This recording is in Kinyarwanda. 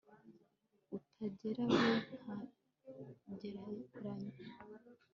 utagera we ntagereranya